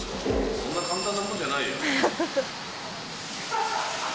そんな簡単なものじゃないよ。